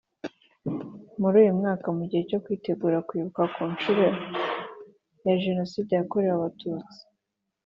Muri uyu mwaka mu gihe cyo kwitegura kwibuka ku nshuro ya Jenoside yakorewe Abatutsi